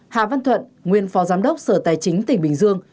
hà văn thuận nguyên phó giám đốc sở tài chính tỉnh bình dương